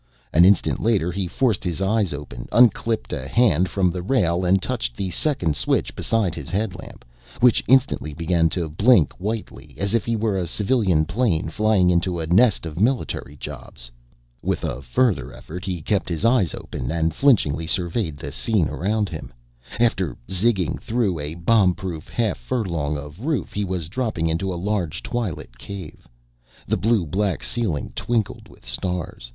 An instant later he forced his eyes open, unclipped a hand from the rail and touched the second switch beside his headlamp, which instantly began to blink whitely, as if he were a civilian plane flying into a nest of military jobs. With a further effort he kept his eyes open and flinchingly surveyed the scene around him. After zigging through a bombproof half furlong of roof, he was dropping into a large twilit cave. The blue black ceiling twinkled with stars.